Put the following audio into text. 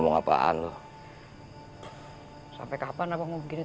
jangan sampai gua marah nih